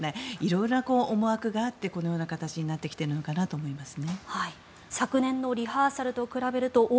色々な思惑があってこのような形になってきているのかなと思います。